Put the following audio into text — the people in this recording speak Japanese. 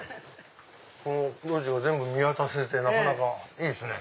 この路地を全部見渡せてなかなかいいですね。